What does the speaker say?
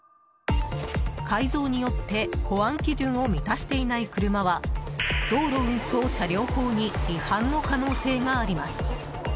改造によって保安基準を満たしていない車は道路運送車両法に違反の可能性があります。